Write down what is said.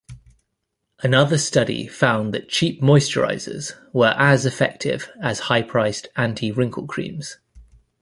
Another study found that cheap moisturisers were as effective as high-priced anti-wrinkle creams.